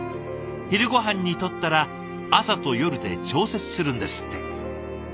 昼ごはんにとったら朝と夜で調節するんですって。